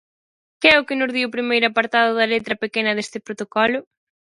¿Que é o que nos di o primeiro apartado da letra pequena deste protocolo?